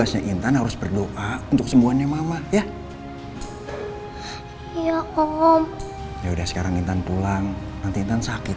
kita harus segera bawa pasien ke ruang emergency